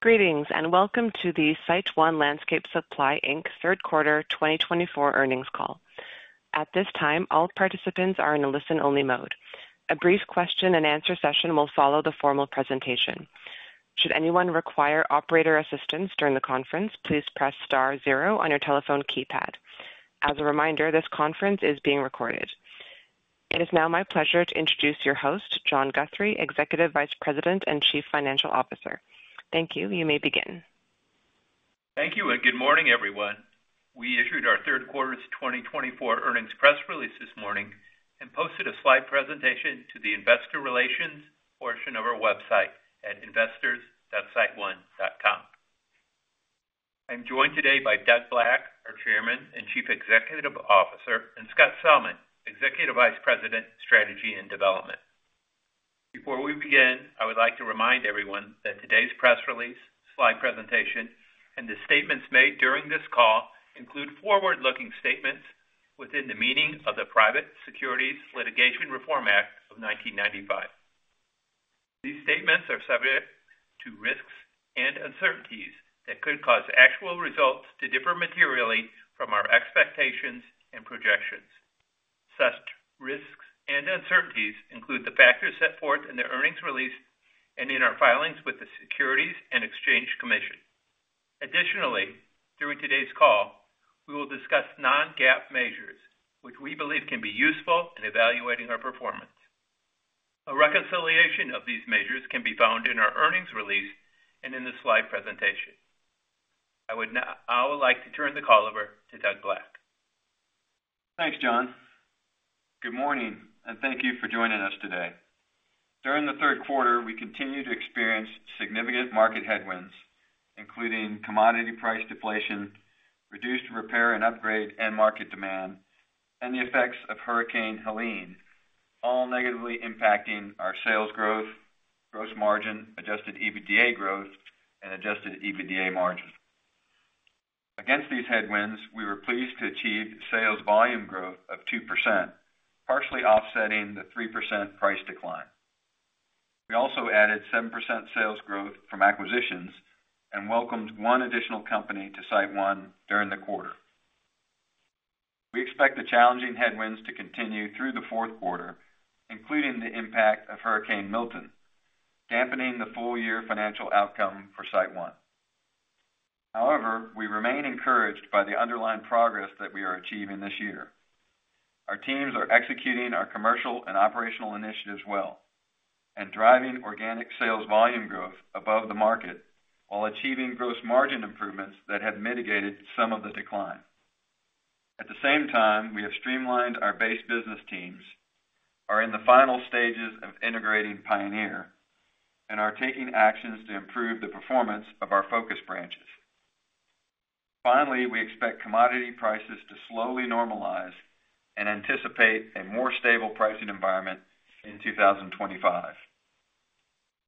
Greetings and welcome to the SiteOne Landscape Supply Inc. third quarter 2024 earnings call. At this time, all participants are in a listen-only mode. A brief question-and-answer session will follow the formal presentation. Should anyone require operator assistance during the conference, please press star zero on your telephone keypad. As a reminder, this conference is being recorded. It is now my pleasure to introduce your host, John Guthrie, Executive Vice President and Chief Financial Officer. Thank you. You may begin. Thank you and good morning, everyone. We issued our third quarter's 2024 earnings press release this morning and posted a slide presentation to the Investor Relations portion of our website at investors.siteone.com. I'm joined today by Doug Black, our Chairman and Chief Executive Officer, and Scott Salmon, Executive Vice President, Strategy and Development. Before we begin, I would like to remind everyone that today's press release, slide presentation, and the statements made during this call include forward-looking statements within the meaning of the Private Securities Litigation Reform Act of 1995. These statements are subject to risks and uncertainties that could cause actual results to differ materially from our expectations and projections. Such risks and uncertainties include the factors set forth in the earnings release and in our filings with the Securities and Exchange Commission. Additionally, during today's call, we will discuss non-GAAP measures, which we believe can be useful in evaluating our performance. A reconciliation of these measures can be found in our earnings release and in the slide presentation. I would now like to turn the call over to Doug Black. Thanks, John. Good morning and thank you for joining us today. During the third quarter, we continued to experience significant market headwinds, including commodity price deflation, reduced repair and upgrade end market demand, and the effects of Hurricane Helene, all negatively impacting our sales growth, gross margin, Adjusted EBITDA growth, and Adjusted EBITDA margins. Against these headwinds, we were pleased to achieve sales volume growth of 2%, partially offsetting the 3% price decline. We also added 7% sales growth from acquisitions and welcomed one additional company to SiteOne during the quarter. We expect the challenging headwinds to continue through the fourth quarter, including the impact of Hurricane Milton, dampening the full-year financial outcome for SiteOne. However, we remain encouraged by the underlying progress that we are achieving this year. Our teams are executing our commercial and operational initiatives well and driving organic sales volume growth above the market while achieving gross margin improvements that have mitigated some of the decline. At the same time, we have streamlined our base business teams, are in the final stages of integrating Pioneer, and are taking actions to improve the performance of our focus branches. Finally, we expect commodity prices to slowly normalize and anticipate a more stable pricing environment in 2025.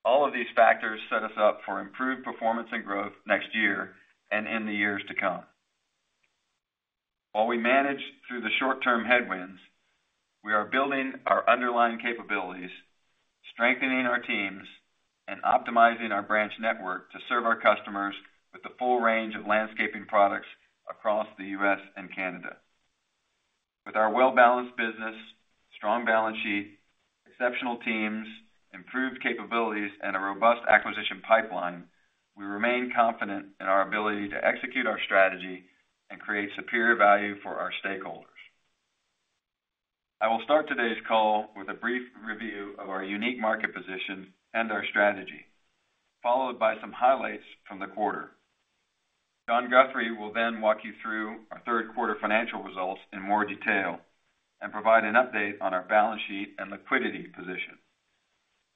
All of these factors set us up for improved performance and growth next year and in the years to come. While we manage through the short-term headwinds, we are building our underlying capabilities, strengthening our teams, and optimizing our branch network to serve our customers with the full range of landscaping products across the U.S. and Canada. With our well-balanced business, strong balance sheet, exceptional teams, improved capabilities, and a robust acquisition pipeline, we remain confident in our ability to execute our strategy and create superior value for our stakeholders. I will start today's call with a brief review of our unique market position and our strategy, followed by some highlights from the quarter. John Guthrie will then walk you through our third quarter financial results in more detail and provide an update on our balance sheet and liquidity position.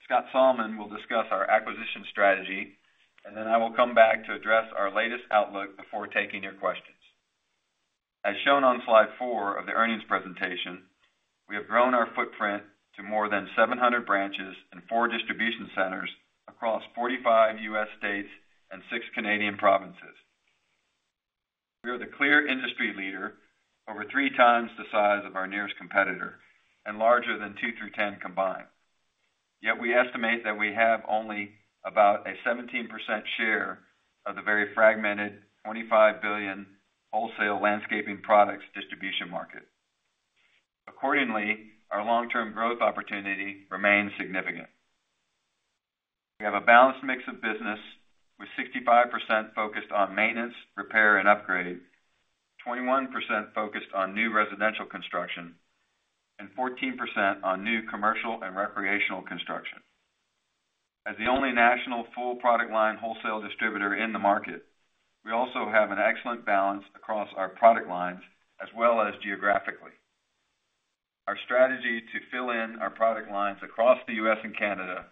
Scott Salmon will discuss our acquisition strategy, and then I will come back to address our latest outlook before taking your questions. As shown on slide four of the earnings presentation, we have grown our footprint to more than 700 branches and four distribution centers across 45 U.S. states and six Canadian provinces. We are the clear industry leader over three times the size of our nearest competitor and larger than 2 through 10 combined. Yet we estimate that we have only about a 17% share of the very fragmented $25 billion wholesale landscaping products distribution market. Accordingly, our long-term growth opportunity remains significant. We have a balanced mix of business with 65% focused on maintenance, repair, and upgrade, 21% focused on new residential construction, and 14% on new commercial and recreational construction. As the only national full product line wholesale distributor in the market, we also have an excellent balance across our product lines as well as geographically. Our strategy to fill in our product lines across the U.S. and Canada,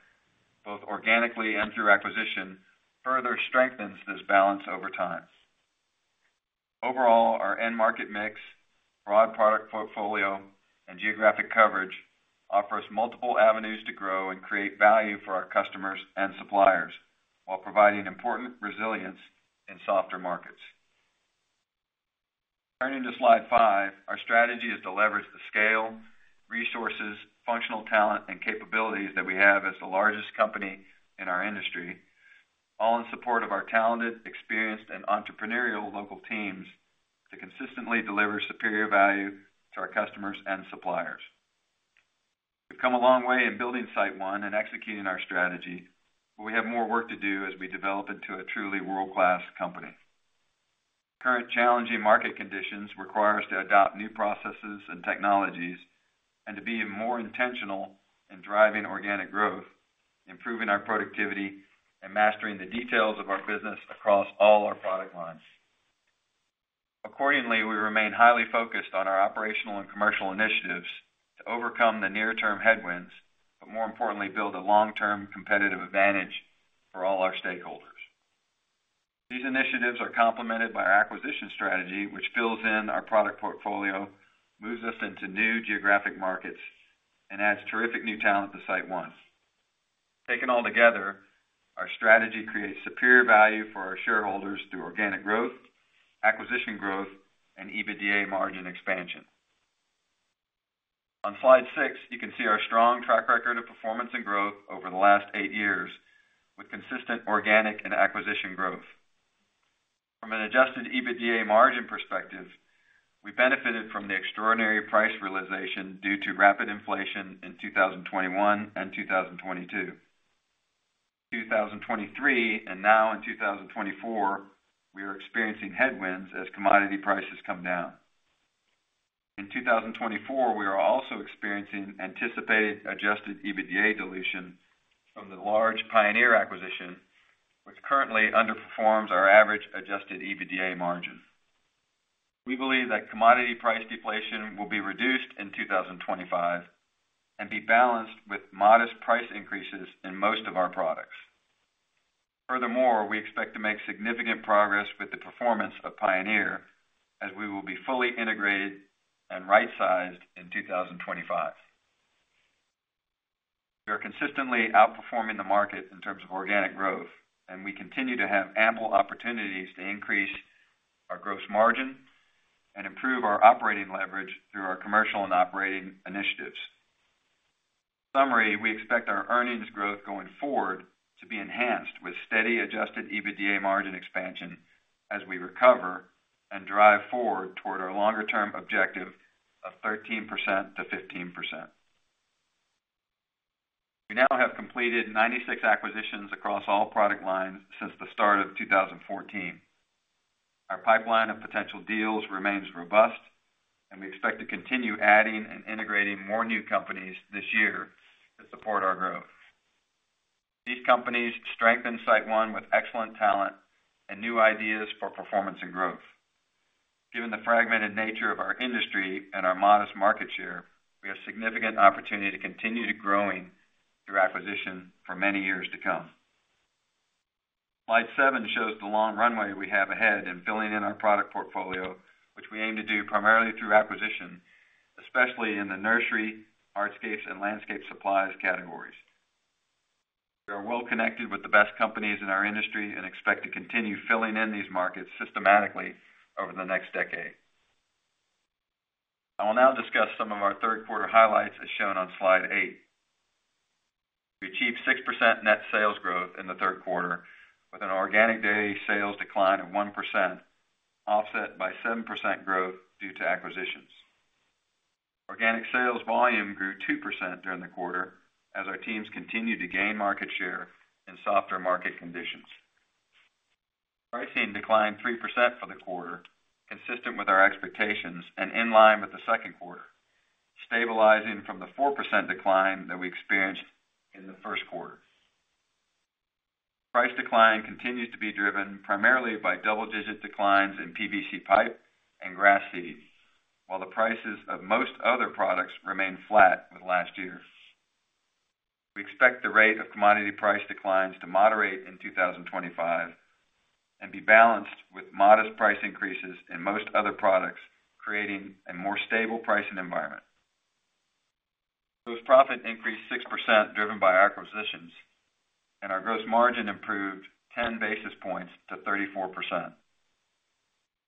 both organically and through acquisition, further strengthens this balance over time. Overall, our end market mix, broad product portfolio, and geographic coverage offer us multiple avenues to grow and create value for our customers and suppliers while providing important resilience in softer markets. Turning to slide five, our strategy is to leverage the scale, resources, functional talent, and capabilities that we have as the largest company in our industry, all in support of our talented, experienced, and entrepreneurial local teams to consistently deliver superior value to our customers and suppliers. We've come a long way in building SiteOne and executing our strategy, but we have more work to do as we develop into a truly world-class company. Current challenging market conditions require us to adopt new processes and technologies and to be more intentional in driving organic growth, improving our productivity, and mastering the details of our business across all our product lines. Accordingly, we remain highly focused on our operational and commercial initiatives to overcome the near-term headwinds, but more importantly, build a long-term competitive advantage for all our stakeholders. These initiatives are complemented by our acquisition strategy, which fills in our product portfolio, moves us into new geographic markets, and adds terrific new talent to SiteOne. Taken all together, our strategy creates superior value for our shareholders through organic growth, acquisition growth, and EBITDA margin expansion. On slide six, you can see our strong track record of performance and growth over the last eight years with consistent organic and acquisition growth. From an adjusted EBITDA margin perspective, we benefited from the extraordinary price realization due to rapid inflation in 2021 and 2022. In 2023 and now in 2024, we are experiencing headwinds as commodity prices come down. In 2024, we are also experiencing anticipated Adjusted EBITDA dilution from the large Pioneer acquisition, which currently underperforms our average Adjusted EBITDA margin. We believe that commodity price deflation will be reduced in 2025 and be balanced with modest price increases in most of our products. Furthermore, we expect to make significant progress with the performance of Pioneer as we will be fully integrated and right-sized in 2025. We are consistently outperforming the market in terms of organic growth, and we continue to have ample opportunities to increase our gross margin and improve our operating leverage through our commercial and operating initiatives. In summary, we expect our earnings growth going forward to be enhanced with steady Adjusted EBITDA margin expansion as we recover and drive forward toward our longer-term objective of 13%-15%. We now have completed 96 acquisitions across all product lines since the start of 2014. Our pipeline of potential deals remains robust, and we expect to continue adding and integrating more new companies this year to support our growth. These companies strengthen SiteOne with excellent talent and new ideas for performance and growth. Given the fragmented nature of our industry and our modest market share, we have significant opportunity to continue to grow through acquisition for many years to come. Slide seven shows the long runway we have ahead in filling in our product portfolio, which we aim to do primarily through acquisition, especially in the nursery, hardscapes, and landscape supplies categories. We are well connected with the best companies in our industry and expect to continue filling in these markets systematically over the next decade. I will now discuss some of our third quarter highlights as shown on slide eight. We achieved 6% net sales growth in the third quarter with an organic daily sales decline of 1%, offset by 7% growth due to acquisitions. Organic sales volume grew 2% during the quarter as our teams continued to gain market share in softer market conditions. Pricing declined 3% for the quarter, consistent with our expectations and in line with the second quarter, stabilizing from the 4% decline that we experienced in the first quarter. Price decline continues to be driven primarily by double-digit declines in PVC pipe and grass seed, while the prices of most other products remain flat with last year. We expect the rate of commodity price declines to moderate in 2025 and be balanced with modest price increases in most other products, creating a more stable pricing environment. Gross profit increased 6% driven by acquisitions, and our gross margin improved 10 basis points to 34%.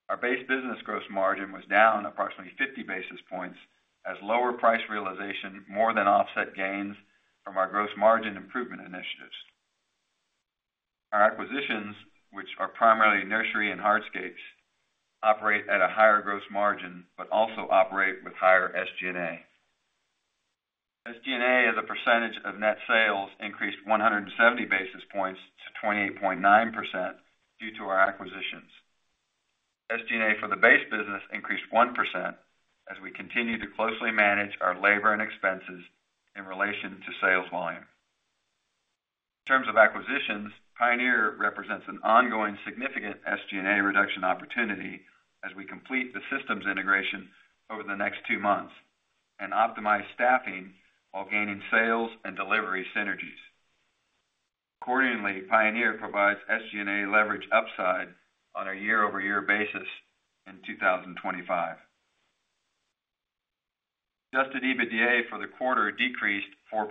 Our base business gross margin was down approximately 50 basis points as lower price realization more than offset gains from our gross margin improvement initiatives. Our acquisitions, which are primarily nursery and hardscapes, operate at a higher gross margin but also operate with higher SG&A. SG&A as a percentage of net sales increased 170 basis points to 28.9% due to our acquisitions. SG&A for the base business increased 1% as we continue to closely manage our labor and expenses in relation to sales volume. In terms of acquisitions, Pioneer represents an ongoing significant SG&A reduction opportunity as we complete the systems integration over the next two months and optimize staffing while gaining sales and delivery synergies. Accordingly, Pioneer provides SG&A leverage upside on a year-over-year basis in 2025. Adjusted EBITDA for the quarter decreased 4%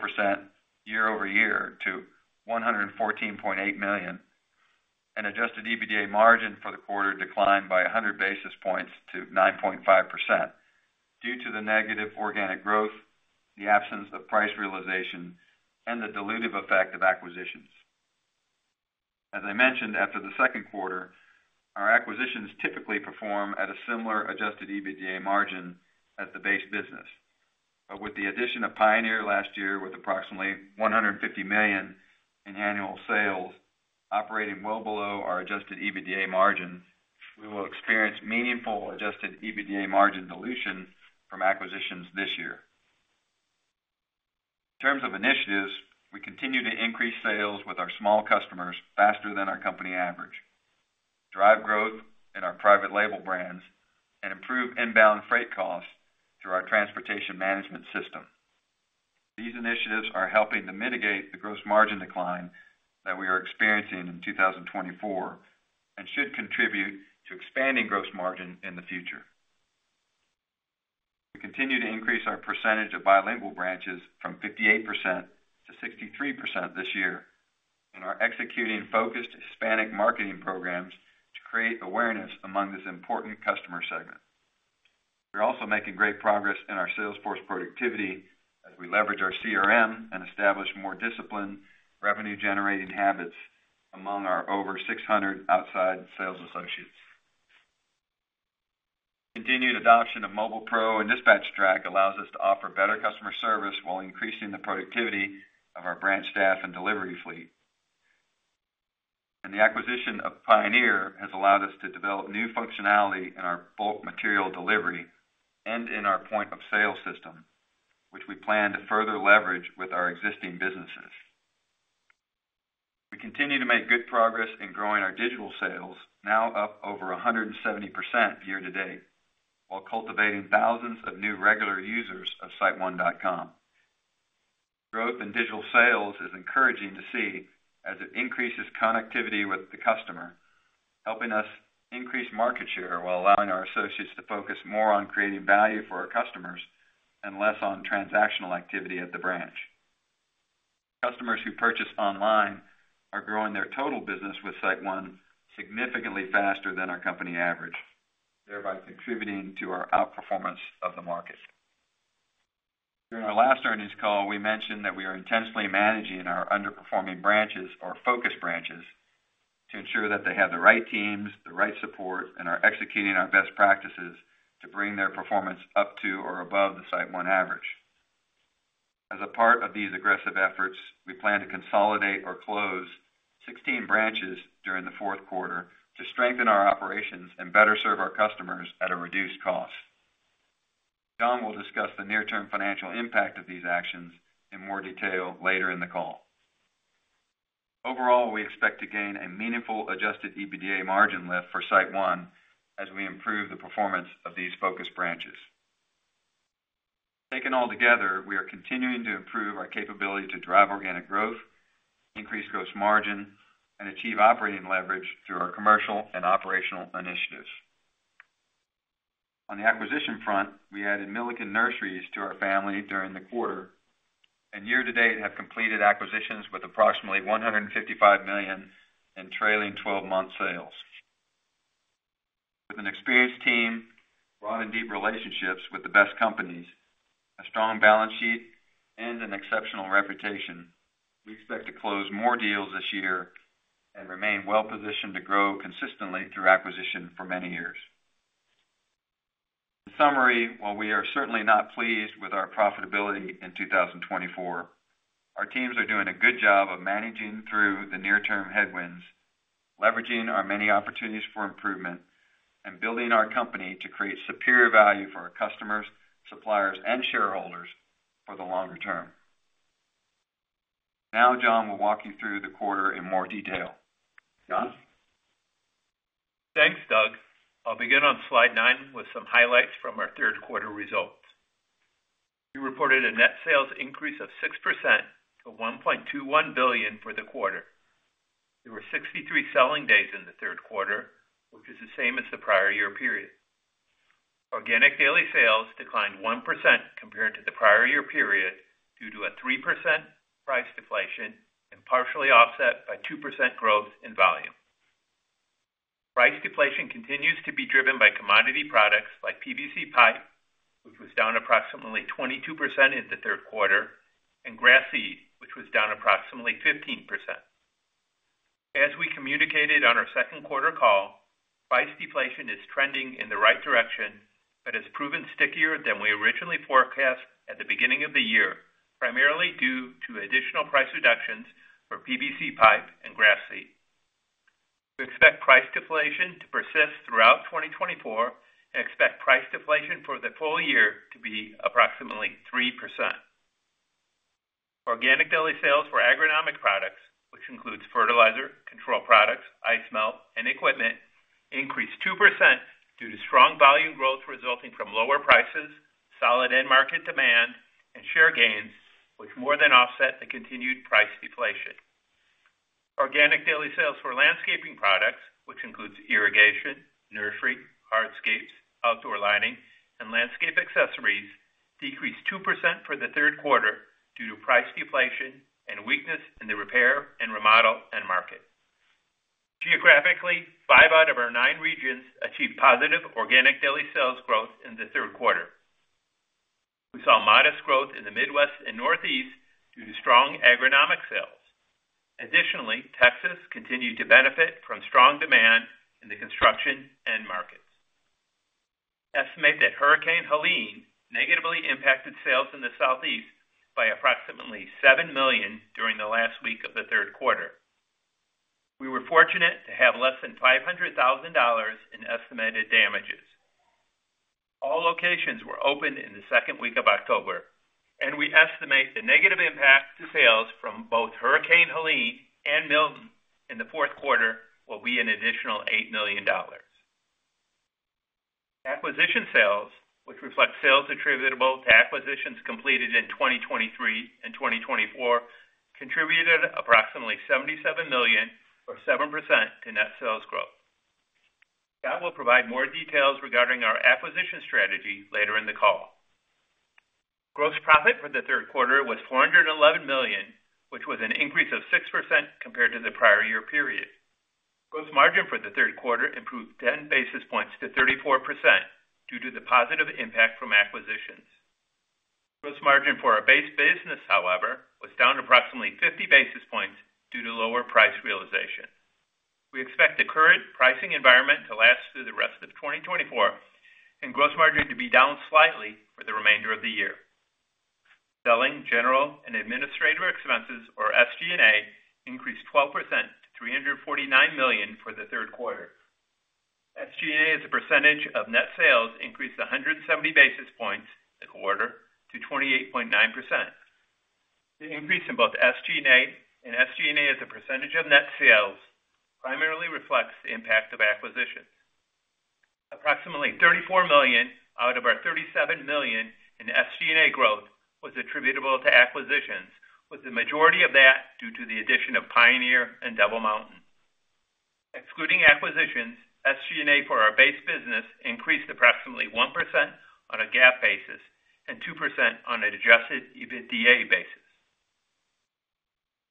year-over-year to $114.8 million, and adjusted EBITDA margin for the quarter declined by 100 basis points to 9.5% due to the negative organic growth, the absence of price realization, and the dilutive effect of acquisitions. As I mentioned, after the second quarter, our acquisitions typically perform at a similar adjusted EBITDA margin as the base business. But with the addition of Pioneer last year with approximately $150 million in annual sales, operating well below our adjusted EBITDA margin, we will experience meaningful adjusted EBITDA margin dilution from acquisitions this year. In terms of initiatives, we continue to increase sales with our small customers faster than our company average, drive growth in our private label brands, and improve inbound freight costs through our transportation management system. These initiatives are helping to mitigate the gross margin decline that we are experiencing in 2024 and should contribute to expanding gross margin in the future. We continue to increase our percentage of bilingual branches from 58% to 63% this year and are executing focused Hispanic marketing programs to create awareness among this important customer segment. We're also making great progress in our Salesforce productivity as we leverage our CRM and establish more disciplined revenue-generating habits among our over 600 outside sales associates. Continued adoption of MobilePro and DispatchTrack allows us to offer better customer service while increasing the productivity of our branch staff and delivery fleet, and the acquisition of Pioneer has allowed us to develop new functionality in our bulk material delivery and in our point-of-sale system, which we plan to further leverage with our existing businesses. We continue to make good progress in growing our digital sales, now up over 170% year-to-date, while cultivating thousands of new regular users of siteone.com. Growth in digital sales is encouraging to see as it increases connectivity with the customer, helping us increase market share while allowing our associates to focus more on creating value for our customers and less on transactional activity at the branch. Customers who purchase online are growing their total business with SiteOne significantly faster than our company average, thereby contributing to our outperformance of the market. During our last earnings call, we mentioned that we are intentionally managing our underperforming branches, or focus branches, to ensure that they have the right teams, the right support, and are executing our best practices to bring their performance up to or above the SiteOne average. As a part of these aggressive efforts, we plan to consolidate or close 16 branches during the fourth quarter to strengthen our operations and better serve our customers at a reduced cost. John will discuss the near-term financial impact of these actions in more detail later in the call. Overall, we expect to gain a meaningful Adjusted EBITDA margin lift for SiteOne as we improve the performance of these focus branches. Taken all together, we are continuing to improve our capability to drive organic growth, increase gross margin, and achieve operating leverage through our commercial and operational initiatives. On the acquisition front, we added Millican Nurseries to our family during the quarter and year-to-date have completed acquisitions with approximately $155 million in trailing 12-month sales. With an experienced team, broad and deep relationships with the best companies, a strong balance sheet, and an exceptional reputation, we expect to close more deals this year and remain well-positioned to grow consistently through acquisition for many years. In summary, while we are certainly not pleased with our profitability in 2024, our teams are doing a good job of managing through the near-term headwinds, leveraging our many opportunities for improvement, and building our company to create superior value for our customers, suppliers, and shareholders for the longer term. Now, John will walk you through the quarter in more detail. John? Thanks, Doug. I'll begin on slide nine with some highlights from our third quarter results. We reported a net sales increase of 6% to $1.21 billion for the quarter. There were 63 selling days in the third quarter, which is the same as the prior year period. Organic daily sales declined 1% compared to the prior year period due to a 3% price deflation and partially offset by 2% growth in volume. Price deflation continues to be driven by commodity products like PVC pipe, which was down approximately 22% in the third quarter, and grass seed, which was down approximately 15%. As we communicated on our second quarter call, price deflation is trending in the right direction but has proven stickier than we originally forecast at the beginning of the year, primarily due to additional price reductions for PVC pipe and grass seed. We expect price deflation to persist throughout 2024 and expect price deflation for the full year to be approximately 3%. Organic daily sales for agronomic products, which includes fertilizer, control products, ice melt, and equipment, increased 2% due to strong volume growth resulting from lower prices, solid end-market demand, and share gains, which more than offset the continued price deflation. Organic daily sales for landscaping products, which includes irrigation, nursery, hardscapes, outdoor lighting, and landscape accessories, decreased 2% for the third quarter due to price deflation and weakness in the repair and remodel end market. Geographically, five out of our nine regions achieved positive organic daily sales growth in the third quarter. We saw modest growth in the Midwest and Northeast due to strong agronomic sales. Additionally, Texas continued to benefit from strong demand in the construction end markets. Estimate that Hurricane Helene negatively impacted sales in the Southeast by approximately $7 million during the last week of the third quarter. We were fortunate to have less than $500,000 in estimated damages. All locations were open in the second week of October, and we estimate the negative impact to sales from both Hurricane Helene and Milton in the fourth quarter will be an additional $8 million. Acquisition sales, which reflect sales attributable to acquisitions completed in 2023 and 2024, contributed approximately $77 million, or 7%, to net sales growth. Scott will provide more details regarding our acquisition strategy later in the call. Gross profit for the third quarter was $411 million, which was an increase of 6% compared to the prior year period. Gross margin for the third quarter improved 10 basis points to 34% due to the positive impact from acquisitions. Gross margin for our base business, however, was down approximately 50 basis points due to lower price realization. We expect the current pricing environment to last through the rest of 2024 and gross margin to be down slightly for the remainder of the year. Selling, general, and administrative expenses, or SG&A, increased 12% to $349 million for the third quarter. SG&A as a percentage of net sales increased 170 basis points the quarter to 28.9%. The increase in both SG&A and SG&A as a percentage of net sales primarily reflects the impact of acquisitions. Approximately $34 million out of our $37 million in SG&A growth was attributable to acquisitions, with the majority of that due to the addition of Pioneer and Double Mountain. Excluding acquisitions, SG&A for our base business increased approximately 1% on a GAAP basis and 2% on an Adjusted EBITDA basis.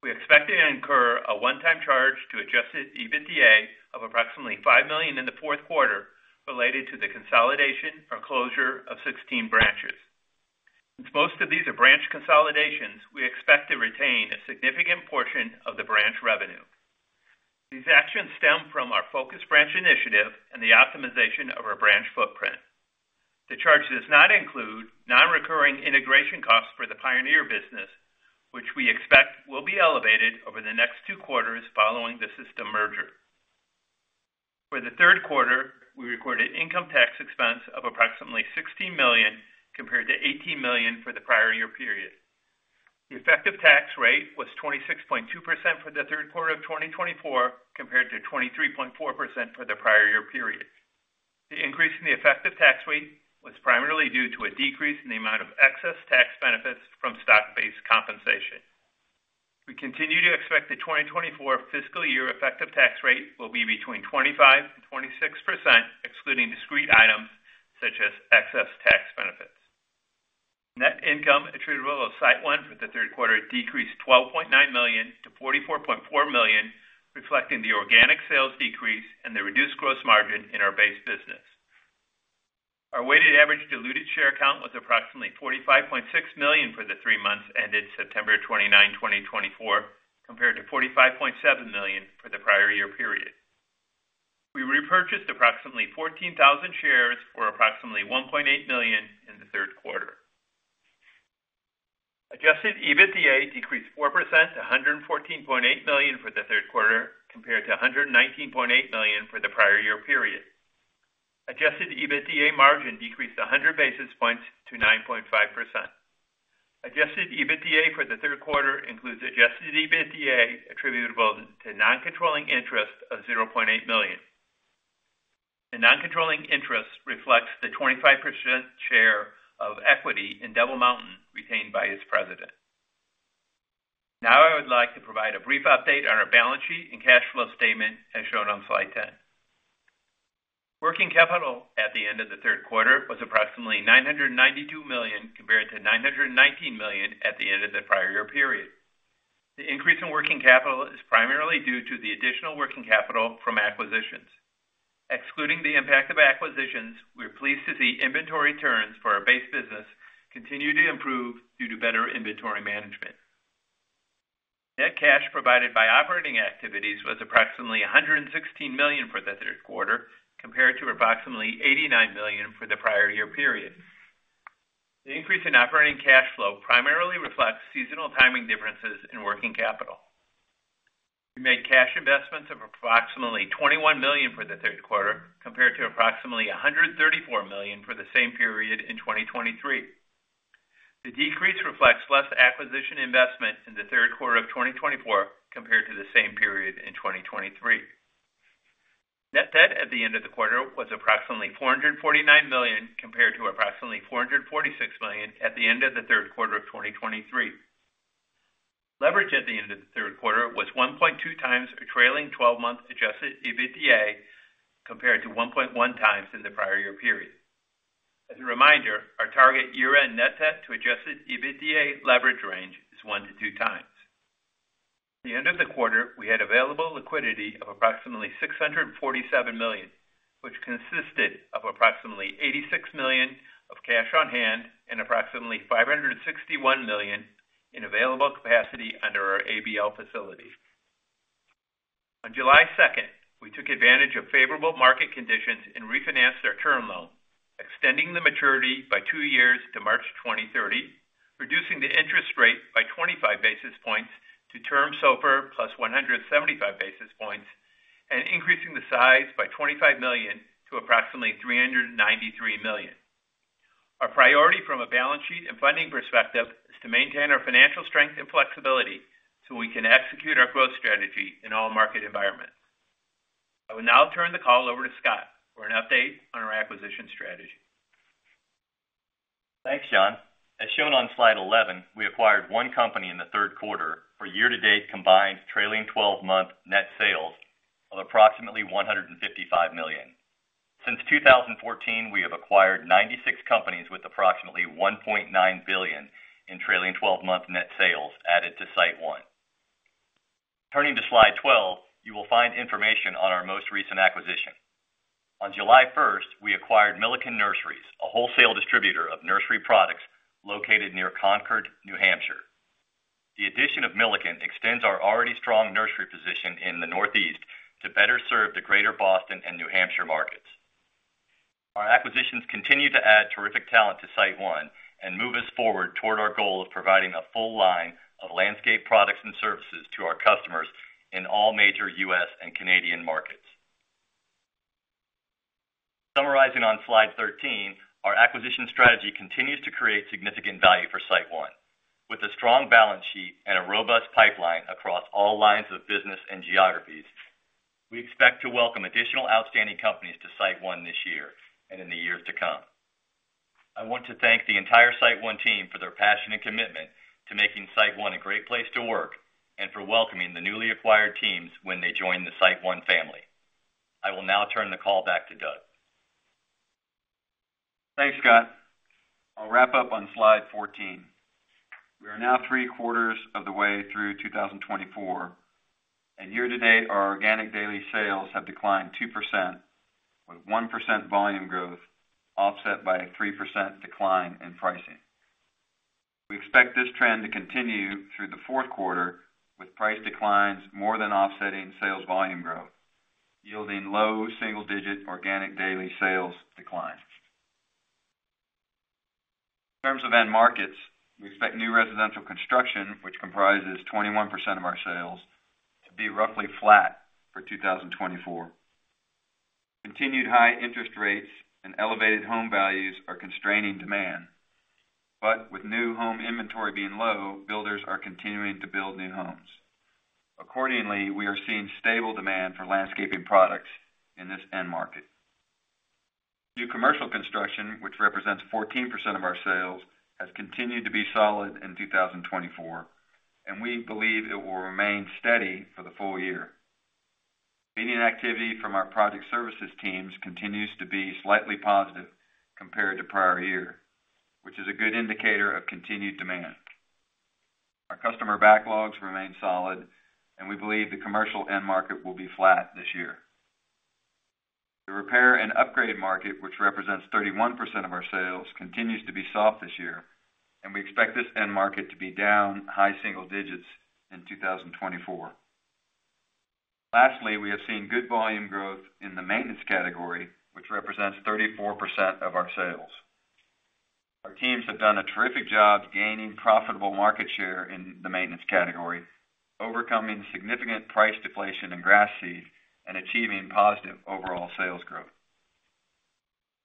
We expect to incur a one-time charge to Adjusted EBITDA of approximately $5 million in the fourth quarter related to the consolidation or closure of 16 branches. Since most of these are branch consolidations, we expect to retain a significant portion of the branch revenue. These actions stem from our focus branch initiative and the optimization of our branch footprint. The charge does not include non-recurring integration costs for the Pioneer business, which we expect will be elevated over the next two quarters following the system merger. For the third quarter, we recorded income tax expense of approximately $16 million compared to $18 million for the prior year period. The effective tax rate was 26.2% for the third quarter of 2024 compared to 23.4% for the prior year period. The increase in the effective tax rate was primarily due to a decrease in the amount of excess tax benefits from stock-based compensation. We continue to expect the 2024 fiscal year effective tax rate will be between 25% and 26%, excluding discrete items such as excess tax benefits. Net income attributable to SiteOne for the third quarter decreased $12.9 million to $44.4 million, reflecting the organic sales decrease and the reduced gross margin in our base business. Our weighted average diluted share account was approximately 45.6 million for the three months ended September 29, 2024, compared to 45.7 million for the prior year period. We repurchased approximately 14,000 shares for approximately $1.8 million in the third quarter. Adjusted EBITDA decreased 4% to $114.8 million for the third quarter compared to $119.8 million for the prior year period. Adjusted EBITDA margin decreased 100 basis points to 9.5%. Adjusted EBITDA for the third quarter includes adjusted EBITDA attributable to non-controlling interest of $0.8 million. The non-controlling interest reflects the 25% share of equity in Double Mountain retained by its president. Now, I would like to provide a brief update on our balance sheet and cash flow statement as shown on slide 10. Working capital at the end of the third quarter was approximately $992 million compared to $919 million at the end of the prior year period. The increase in working capital is primarily due to the additional working capital from acquisitions. Excluding the impact of acquisitions, we're pleased to see inventory turns for our base business continue to improve due to better inventory management. Net cash provided by operating activities was approximately $116 million for the third quarter compared to approximately $89 million for the prior year period. The increase in operating cash flow primarily reflects seasonal timing differences in working capital. We made cash investments of approximately $21 million for the third quarter compared to approximately $134 million for the same period in 2023. The decrease reflects less acquisition investment in the third quarter of 2024 compared to the same period in 2023. Net debt at the end of the quarter was approximately $449 million compared to approximately $446 million at the end of the third quarter of 2023. Leverage at the end of the third quarter was 1.2 times a trailing 12-month Adjusted EBITDA compared to 1.1 times in the prior year period. As a reminder, our target year-end net debt to Adjusted EBITDA leverage range is 1 to 2 times. At the end of the quarter, we had available liquidity of approximately $647 million, which consisted of approximately $86 million of cash on hand and approximately $561 million in available capacity under our ABL facility. On July 2nd, we took advantage of favorable market conditions and refinanced our term loan, extending the maturity by two years to March 2030, reducing the interest rate by 25 basis points to Term SOFR plus 175 basis points, and increasing the size by $25 million to approximately $393 million. Our priority from a balance sheet and funding perspective is to maintain our financial strength and flexibility so we can execute our growth strategy in all market environments. I will now turn the call over to Scott for an update on our acquisition strategy. Thanks, John. As shown on slide 11, we acquired one company in the third quarter for year-to-date combined trailing 12-month net sales of approximately $155 million. Since 2014, we have acquired 96 companies with approximately $1.9 billion in trailing 12-month net sales added to SiteOne. Turning to slide 12, you will find information on our most recent acquisition. On July 1st, we acquired Millican Nurseries, a wholesale distributor of nursery products located near Concord, New Hampshire. The addition of Millikan extends our already strong nursery position in the Northeast to better serve the greater Boston and New Hampshire markets. Our acquisitions continue to add terrific talent to SiteOne and move us forward toward our goal of providing a full line of landscape products and services to our customers in all major U.S. and Canadian markets. Summarizing on slide 13, our acquisition strategy continues to create significant value for SiteOne. With a strong balance sheet and a robust pipeline across all lines of business and geographies, we expect to welcome additional outstanding companies to SiteOne this year and in the years to come. I want to thank the entire SiteOne team for their passion and commitment to making SiteOne a great place to work and for welcoming the newly acquired teams when they join the SiteOne family. I will now turn the call back to Doug. Thanks, Scott. I'll wrap up on slide 14. We are now three quarters of the way through 2024, and year-to-date our organic daily sales have declined 2% with 1% volume growth offset by a 3% decline in pricing. We expect this trend to continue through the fourth quarter with price declines more than offsetting sales volume growth, yielding low single-digit organic daily sales decline. In terms of end markets, we expect new residential construction, which comprises 21% of our sales, to be roughly flat for 2024. Continued high interest rates and elevated home values are constraining demand, but with new home inventory being low, builders are continuing to build new homes. Accordingly, we are seeing stable demand for landscaping products in this end market. New commercial construction, which represents 14% of our sales, has continued to be solid in 2024, and we believe it will remain steady for the full year. Bidding activity from our project services teams continues to be slightly positive compared to prior year, which is a good indicator of continued demand. Our customer backlogs remain solid, and we believe the commercial end market will be flat this year. The repair and upgrade market, which represents 31% of our sales, continues to be soft this year, and we expect this end market to be down high single digits in 2024. Lastly, we have seen good volume growth in the maintenance category, which represents 34% of our sales. Our teams have done a terrific job gaining profitable market share in the maintenance category, overcoming significant price deflation in grass seed and achieving positive overall sales growth.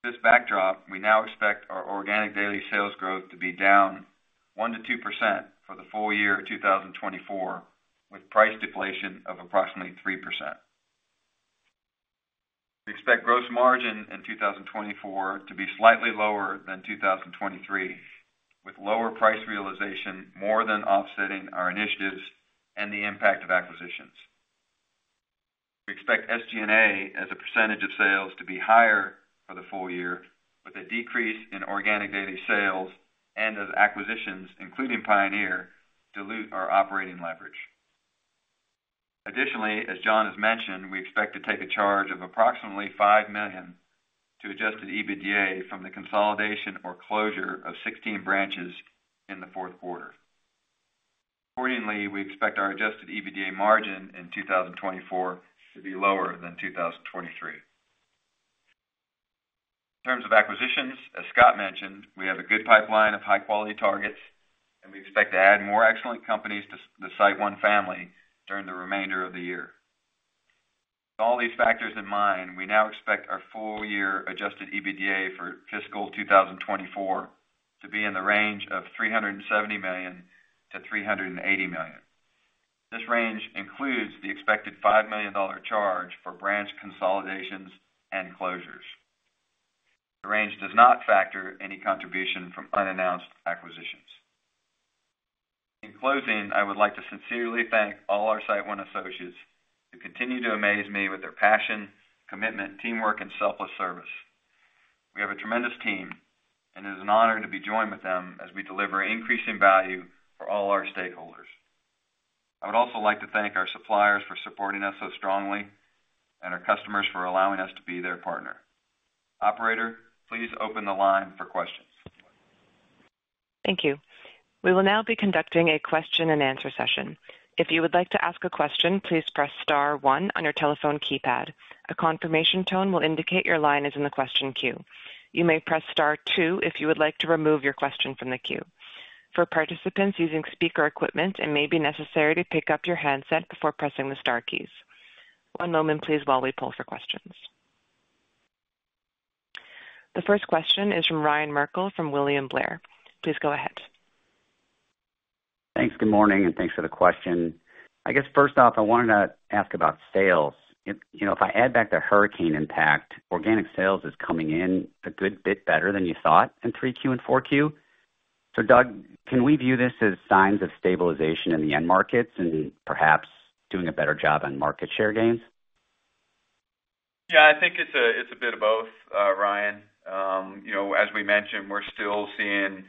With this backdrop, we now expect our organic daily sales growth to be down 1%-2% for the full year of 2024, with price deflation of approximately 3%. We expect gross margin in 2024 to be slightly lower than 2023, with lower price realization more than offsetting our initiatives and the impact of acquisitions. We expect SG&A as a percentage of sales to be higher for the full year, with a decrease in organic daily sales and as acquisitions, including Pioneer, dilute our operating leverage. Additionally, as John has mentioned, we expect to take a charge of approximately $5 million to adjusted EBITDA from the consolidation or closure of 16 branches in the fourth quarter. Accordingly, we expect our adjusted EBITDA margin in 2024 to be lower than 2023. In terms of acquisitions, as Scott mentioned, we have a good pipeline of high-quality targets, and we expect to add more excellent companies to the SiteOne family during the remainder of the year. With all these factors in mind, we now expect our full-year adjusted EBITDA for fiscal 2024 to be in the range of $370 million-$380 million. This range includes the expected $5 million charge for branch consolidations and closures. The range does not factor any contribution from unannounced acquisitions. In closing, I would like to sincerely thank all our SiteOne associates who continue to amaze me with their passion, commitment, teamwork, and selfless service. We have a tremendous team, and it is an honor to be joined with them as we deliver increasing value for all our stakeholders. I would also like to thank our suppliers for supporting us so strongly and our customers for allowing us to be their partner. Operator, please open the line for questions. Thank you. We will now be conducting a question-and-answer session. If you would like to ask a question, please press *1 on your telephone keypad. A confirmation tone will indicate your line is in the question queue. You may press *2 if you would like to remove your question from the queue. For participants using speaker equipment, it may be necessary to pick up your handset before pressing the Star keys. One moment, please, while we pull for questions. The first question is from Ryan Merkel from William Blair. Please go ahead. Thanks. Good morning, and thanks for the question. I guess, first off, I wanted to ask about sales. If I add back the hurricane impact, organic sales is coming in a good bit better than you thought in 3Q and 4Q. So, Doug, can we view this as signs of stabilization in the end markets and perhaps doing a better job on market share gains? Yeah, I think it's a bit of both, Ryan. As we mentioned, we're still seeing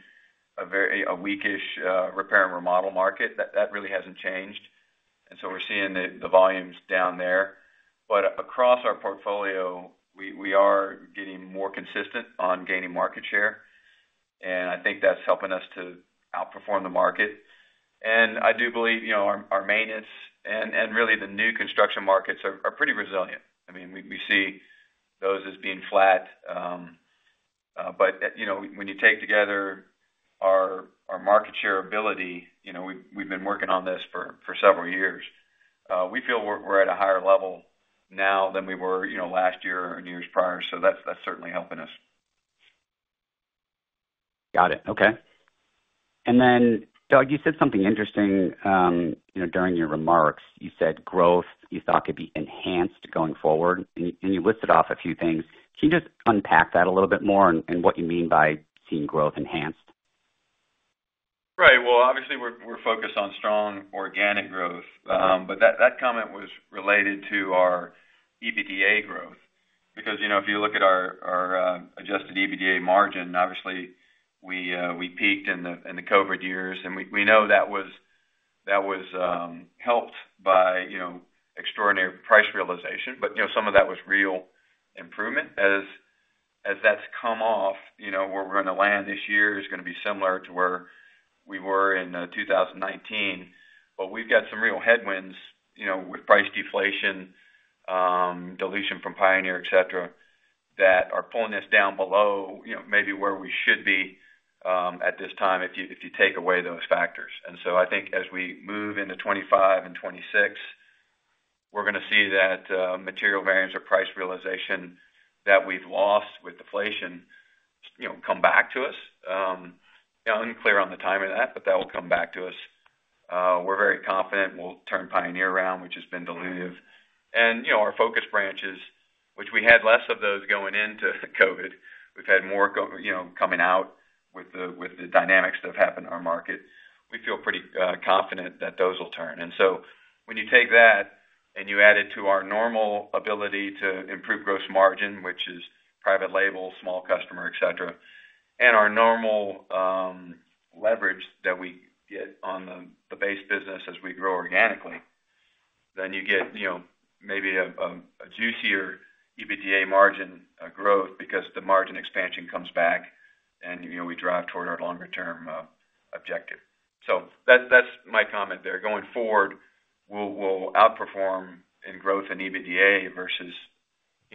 a weakish repair and remodel market. That really hasn't changed. And so we're seeing the volumes down there. But across our portfolio, we are getting more consistent on gaining market share. And I think that's helping us to outperform the market. And I do believe our maintenance and really the new construction markets are pretty resilient. I mean, we see those as being flat. But when you take together our market share ability, we've been working on this for several years. We feel we're at a higher level now than we were last year and years prior. So that's certainly helping us. Got it. Okay. And then, Doug, you said something interesting during your remarks. You said growth you thought could be enhanced going forward. And you listed off a few things. Can you just unpack that a little bit more and what you mean by seeing growth enhanced? Right. Well, obviously, we're focused on strong organic growth. But that comment was related to our Adjusted EBITDA growth because if you look at our Adjusted EBITDA margin, obviously, we peaked in the COVID years. And we know that was helped by extraordinary price realization. But some of that was real improvement. As that's come off, where we're going to land this year is going to be similar to where we were in 2019. But we've got some real headwinds with price deflation, dilution from Pioneer, etc., that are pulling us down below maybe where we should be at this time if you take away those factors. And so I think as we move into 2025 and 2026, we're going to see that material variance or price realization that we've lost with deflation come back to us. Unclear on the timing of that, but that will come back to us. We're very confident we'll turn Pioneer around, which has been diluted, and our focus branches, which we had less of those going into COVID, we've had more coming out with the dynamics that have happened in our market. We feel pretty confident that those will turn, and so when you take that and you add it to our normal ability to improve gross margin, which is private label, small customer, etc., and our normal leverage that we get on the base business as we grow organically, then you get maybe a juicier EBITDA margin growth because the margin expansion comes back and we drive toward our longer-term objective, so that's my comment there. Going forward, we'll outperform in growth in EBITDA versus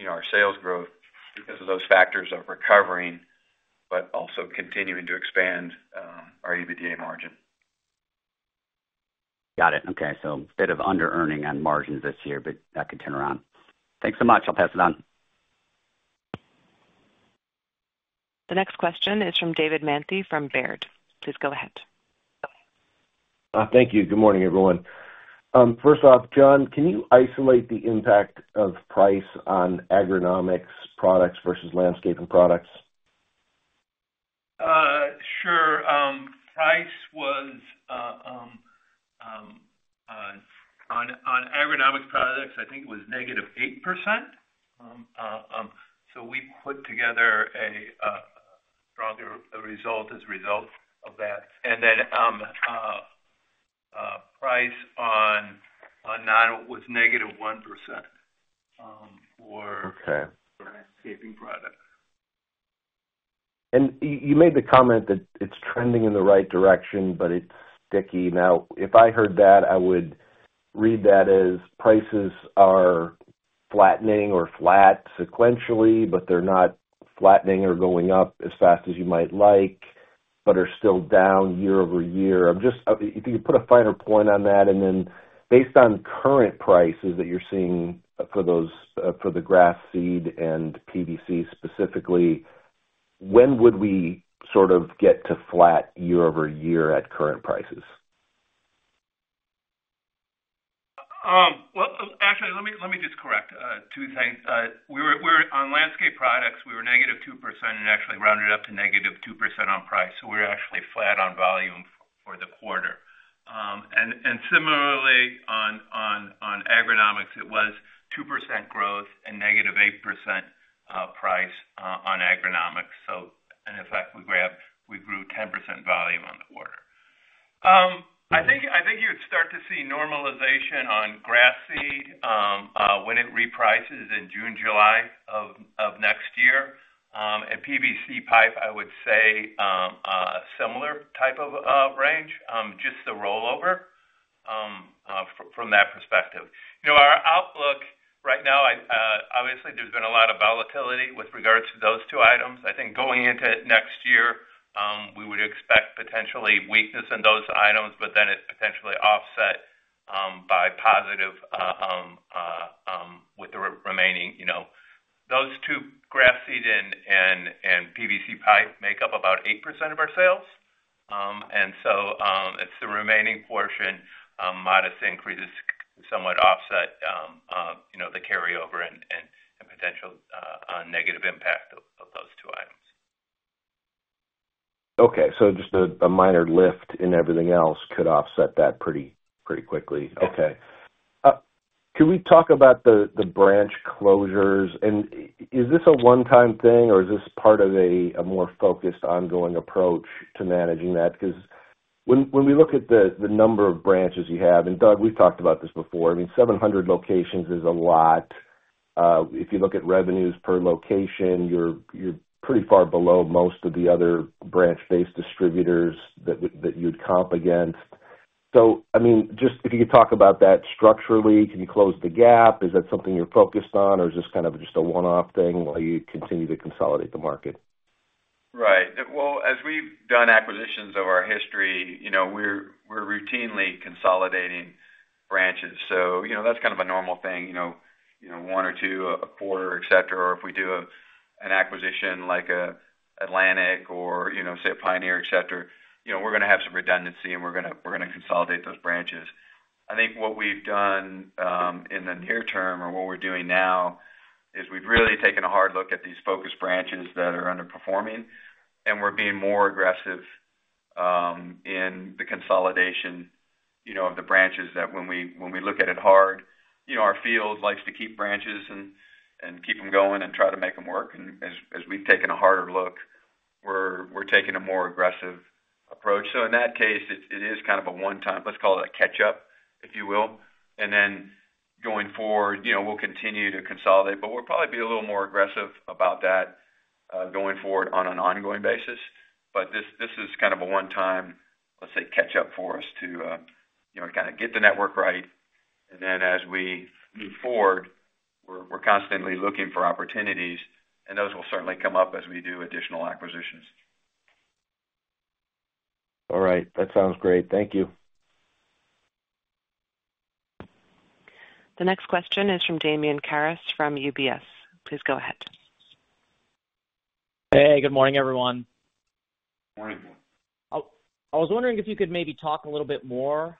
our sales growth because of those factors of recovering, but also continuing to expand our EBITDA margin. Got it. Okay. So a bit of under-earning on margins this year, but that could turn around. Thanks so much. I'll pass it on. The next question is from David Manthey from Baird. Please go ahead. Thank you. Good morning, everyone. First off, John, can you isolate the impact of price on agronomics products versus landscaping products? Sure. Price was on agronomics products, I think it was negative 8%. So we put together a stronger result as a result of that. And then price on it was negative 1% for landscaping products. And you made the comment that it's trending in the right direction, but it's sticky. Now, if I heard that, I would read that as prices are flattening or flat sequentially, but they're not flattening or going up as fast as you might like, but are still down year over year. If you could put a finer point on that, and then based on current prices that you're seeing for the grass seed and PVC specifically, when would we sort of get to flat year over year at current prices? Well, actually, let me just correct two things. On landscape products, we were negative 2% and actually rounded up to negative 2% on price. So we're actually flat on volume for the quarter. And similarly, on agronomics, it was 2% growth and negative 8% price on agronomics. And in fact, we grew 10% volume on the quarter. I think you would start to see normalization on grass seed when it reprices in June, July of next year. And PVC pipe, I would say, a similar type of range, just the rollover from that perspective. Our outlook right now, obviously, there's been a lot of volatility with regards to those two items. I think going into next year, we would expect potentially weakness in those items, but then it's potentially offset by positive with the remaining. Those two grass seed and PVC pipe make up about 8% of our sales. And so it's the remaining portion, modest increases somewhat offset the carryover and potential negative impact of those two items. Okay. So just a minor lift in everything else could offset that pretty quickly. Okay. Can we talk about the branch closures? And is this a one-time thing, or is this part of a more focused ongoing approach to managing that? Because when we look at the number of branches you have, and Doug, we've talked about this before, I mean, 700 locations is a lot. If you look at revenues per location, you're pretty far below most of the other branch-based distributors that you'd comp against. So I mean, just if you could talk about that structurally, can you close the gap? Is that something you're focused on, or is this kind of just a one-off thing while you continue to consolidate the market? Right. Well, as we've done acquisitions over our history, we're routinely consolidating branches. So that's kind of a normal thing. One or two, a quarter, etc., or if we do an acquisition like Atlantic or, say, Pioneer, etc., we're going to have some redundancy, and we're going to consolidate those branches. I think what we've done in the near term, or what we're doing now, is we've really taken a hard look at these focus branches that are underperforming, and we're being more aggressive in the consolidation of the branches that, when we look at it hard, our field likes to keep branches and keep them going and try to make them work. And as we've taken a harder look, we're taking a more aggressive approach. So in that case, it is kind of a one-time, let's call it a catch-up, if you will. And then going forward, we'll continue to consolidate, but we'll probably be a little more aggressive about that going forward on an ongoing basis. But this is kind of a one-time, let's say, catch-up for us to kind of get the network right. And then as we move forward, we're constantly looking for opportunities, and those will certainly come up as we do additional acquisitions. All right. That sounds great. Thank you. The next question is from Damian Karas from UBS. Please go ahead. Hey, good morning, everyone. Morning. I was wondering if you could maybe talk a little bit more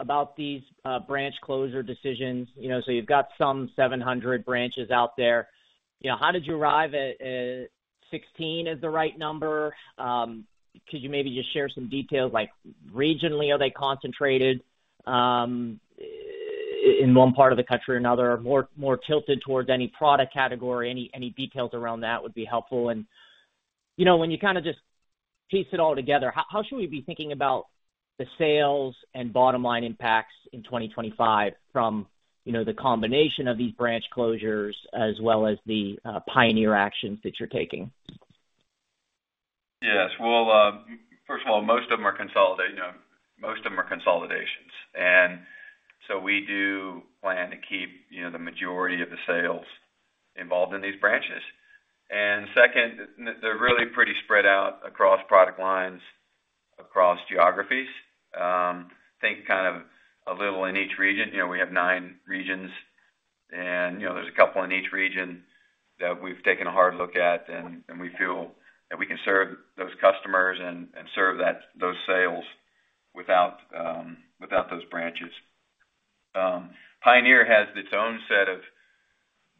about these branch closure decisions. So you've got some 700 branches out there. How did you arrive at 16 as the right number? Could you maybe just share some details? Regionally, are they concentrated in one part of the country or another? More tilted towards any product category? Any details around that would be helpful? When you kind of just piece it all together, how should we be thinking about the sales and bottom-line impacts in 2025 from the combination of these branch closures as well as the Pioneer actions that you're taking? Yes, well, first of all, most of them are consolidations. So we do plan to keep the majority of the sales involved in these branches. Second, they're really pretty spread out across product lines, across geographies. I think kind of a little in each region. We have nine regions, and there's a couple in each region that we've taken a hard look at, and we feel that we can serve those customers and serve those sales without those branches. Pioneer has its own set of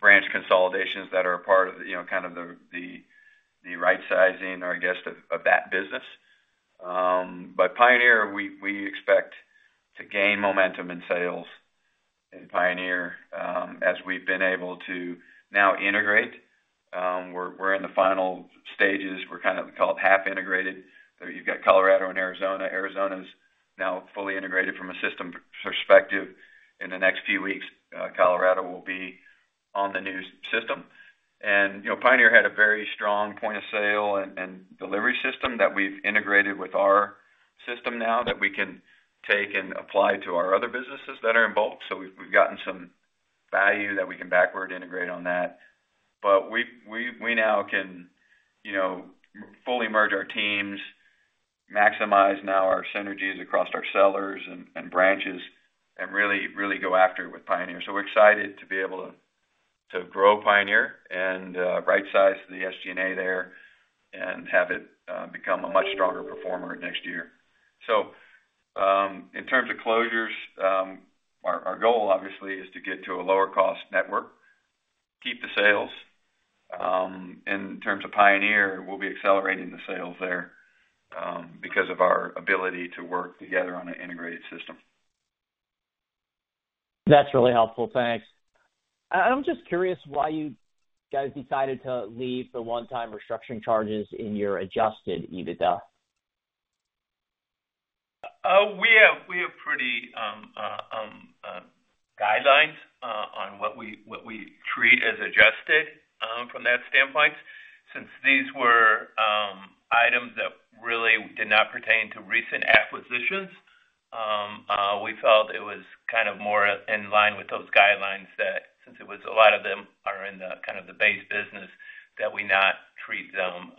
branch consolidations that are a part of kind of the right-sizing, I guess, of that business. But Pioneer, we expect to gain momentum in sales. And Pioneer, as we've been able to now integrate, we're in the final stages. We're kind of called half-integrated. You've got Colorado and Arizona. Arizona's now fully integrated from a system perspective. In the next few weeks, Colorado will be on the new system. And Pioneer had a very strong point of sale and delivery system that we've integrated with our system now that we can take and apply to our other businesses that are involved. So we've gotten some value that we can backward integrate on that. But we now can fully merge our teams, maximize now our synergies across our sellers and branches, and really go after it with Pioneer. So we're excited to be able to grow Pioneer and right-size the SG&A there and have it become a much stronger performer next year. So in terms of closures, our goal, obviously, is to get to a lower-cost network, keep the sales. In terms of Pioneer, we'll be accelerating the sales there because of our ability to work together on an integrated system. That's really helpful. Thanks. I'm just curious why you guys decided to leave the one-time restructuring charges in your Adjusted EBITDA. We have pretty guidelines on what we treat as adjusted from that standpoint. Since these were items that really did not pertain to recent acquisitions, we felt it was kind of more in line with those guidelines that since a lot of them are in kind of the base business, that we not treat them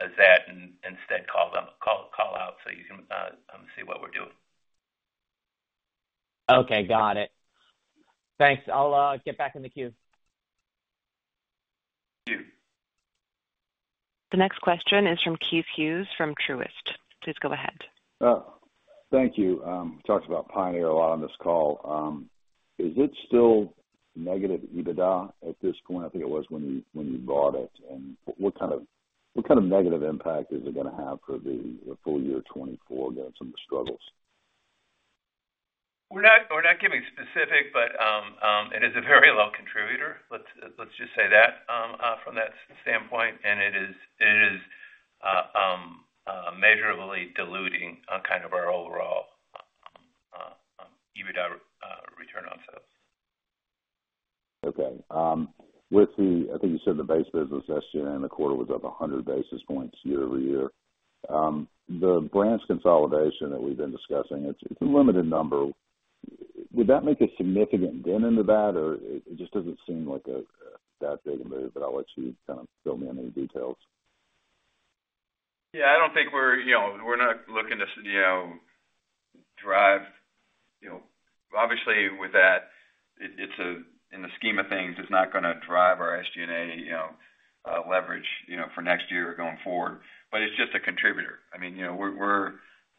as that and instead call out so you can see what we're doing. Okay. Got it. Thanks. I'll get back in the queue. You too. The next question is from Keith Hughes from Truist. Please go ahead. Thank you. We talked about Pioneer a lot on this call. Is it still negative EBITDA at this point? I think it was when you bought it. And what kind of negative impact is it going to have for the full year 2024 given some of the struggles? We're not getting specific, but it is a very low contributor. Let's just say that from that standpoint. And it is measurably diluting kind of our overall EBITDA return on sales. Okay. I think you said the base business SG&A in the quarter was up 100 basis points year over year. The branch consolidation that we've been discussing, it's a limited number. Would that make a significant dent into that, or it just doesn't seem like that big a move? But I'll let you kind of fill me in on the details. Yeah. I don't think we're looking to drive. Obviously, with that, in the scheme of things, it's not going to drive our SG&A leverage for next year or going forward. But it's just a contributor. I mean, we're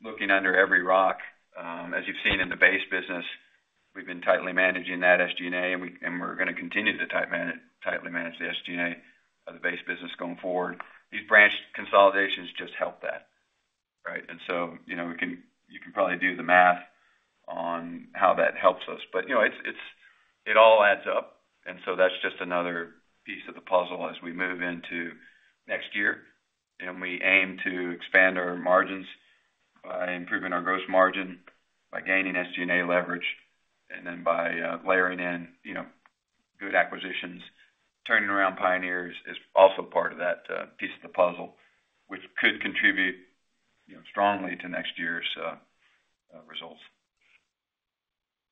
looking under every rock. As you've seen in the base business, we've been tightly managing that SG&A, and we're going to continue to tightly manage the SG&A of the base business going forward. These branch consolidations just help that, right? And so you can probably do the math on how that helps us. But it all adds up. And so that's just another piece of the puzzle as we move into next year. And we aim to expand our margins by improving our gross margin, by gaining SG&A leverage, and then by layering in good acquisitions. Turning around Pioneer is also part of that piece of the puzzle, which could contribute strongly to next year's results.